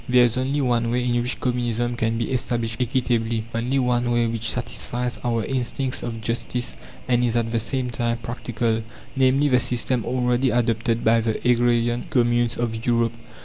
There is only one way in which Communism can be established equitably, only one way which satisfies our instincts of justice and is at the same time practical; namely, the system already adopted by the agrarian communes of Europe.